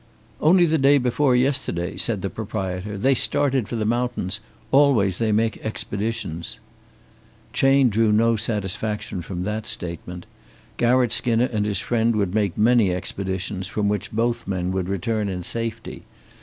"Only the day before yesterday," said the proprietor, "they started for the mountains. Always they make expeditions." Chayne drew no satisfaction from that statement. Garratt Skinner and his friend would make many expeditions from which both men would return in safety.